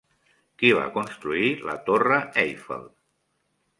Qui va construir la Torre Eiffel?